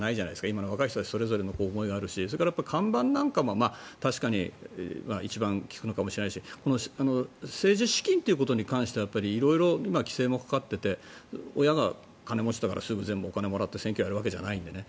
今の若い人はそれぞれの思いがあるしそれから看板なんかも確かに一番効くのかもしれないし政治資金ということに関しては色々、規制もかかっていて親が金持ちだからすぐに全部お金をもらって選挙をやるわけじゃないのでね。